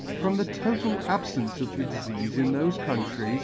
From the total abfence of the difeafe in thofe N 2 countries